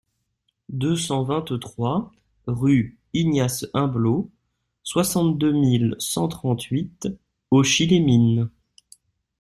deux cent vingt-trois rue Ignace Humblot, soixante-deux mille cent trente-huit Auchy-les-Mines